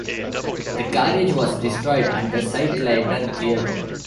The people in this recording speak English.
The garage was destroyed and the site later cleared.